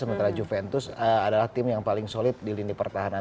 sementara juventus adalah tim yang paling solid di lini pertahanan